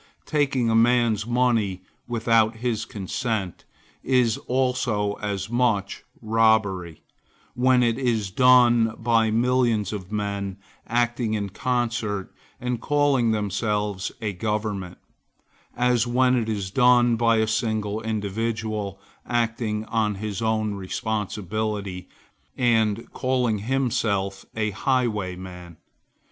Taking a man's money without his consent, is also as much robbery, when it is done by millions of men, acting in concert, and calling themselves a government, as when it is done by a single individual, acting on his own responsibility, and calling himself a highwayman.